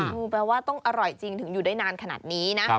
แปลว่าต้องอร่อยจริงถึงอยู่ได้นานขนาดนี้นะ